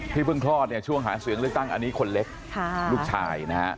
ที่เพิ่งทอดช่วงหาเสียงเลือดตั้งอันนี้คนเล็กลูกชายนะครับ